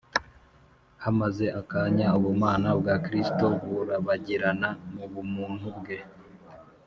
hamaze akanya ubumana bwa kristo burabagiranira mu bumuntu bwe